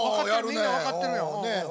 みんな分かってるよ。